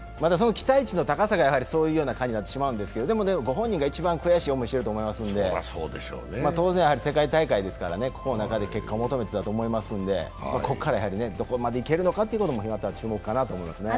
期待値の高さがそういう結果になってますけど、でもご本人が一番悔しい思いをしてますので、世界大会ですからここの中で結果を求めてると思いますので、ここからどこまでいけるのかも注目かと思いますね。